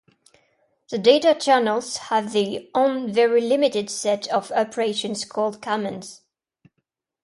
The data channels have their own very limited set of operations called commands.